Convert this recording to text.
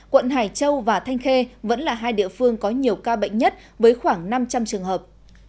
quận hải châu và thanh khê vẫn là hai địa phương có nhiều ca bệnh nhất với khoảng năm trăm linh trường hợp